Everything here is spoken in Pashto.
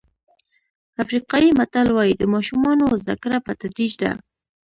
افریقایي متل وایي د ماشومانو زده کړه په تدریج ده.